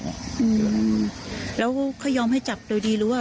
อืมแล้วเขายอมให้จับโดยดีหรือว่า